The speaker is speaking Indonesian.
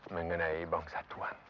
mengenai bangsa tuhan